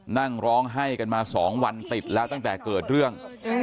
นั่งร้องไห้กันมา๒วันติดแล้วตั้งแต่เกิดเรื่อง